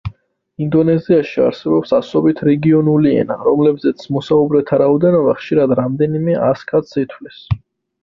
ინდონეზიაში არსებობს ასობით რეგიონული ენა, რომლებზე მოსაუბრეთა რაოდენობა ხშირად რამდენიმე ას კაცს ითვლის.